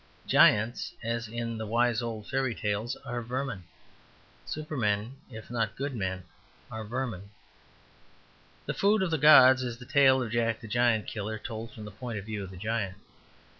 Giants, as in the wise old fairy tales, are vermin. Supermen, if not good men, are vermin. "The Food of the Gods" is the tale of "Jack the Giant Killer" told from the point of view of the giant.